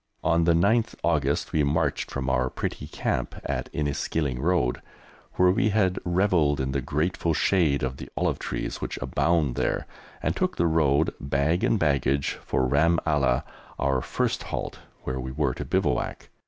On the 9th August we marched from our pretty camp at Inniskilling Road, where we had revelled in the grateful shade of the olive trees which abound there, and took the road, bag and baggage, for Ram Allah, our first halt, where we were to bivouac.